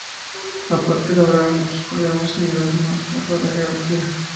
Aparte elaboraron otros problemas en niveles más bajo de la jerarquía.